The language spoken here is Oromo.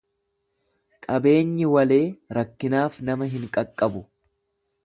Qabeenyi walee rakkinaaf nama hin qaqqabu.